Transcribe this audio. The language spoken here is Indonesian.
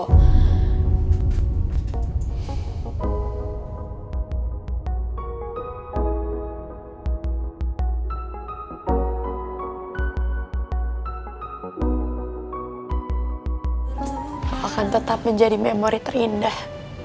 akan tetap menjadi memori terindah